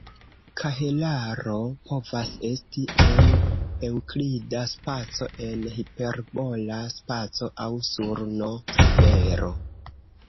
Kahelaro povas esti en eŭklida spaco, en hiperbola spaco aŭ sur "n"-sfero.